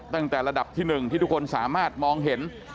ตั้งแต่ระดับที่๑ที่ทุกคนสามารถมองเห็น